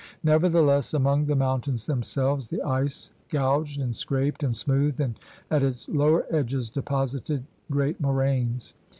Nevertheless among the mountains themselves the ice gouged and scraped and smoothed and at its lower edges deposited great moraines.